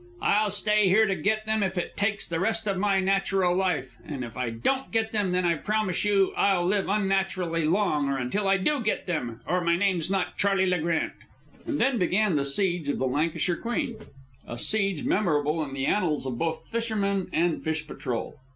I'll stay here to get them if it takes the rest of my natural life, and if I don't get them, then I promise you I'll live unnaturally long or until I do get them, or my name's not Charley Le Grant!" And then began the siege of the Lancashire Queen, a siege memorable in the annals of both fishermen and fish patrol.